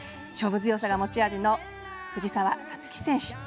勝負強さが持ち味の藤澤五月選手。